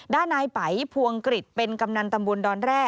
ด้านนายไปพวงกริจเป็นกำนันตำบลดอนแร่